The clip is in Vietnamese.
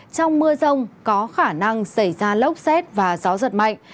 trong mưa rông có khả năng xảy ra lốc xét và gió giật mạnh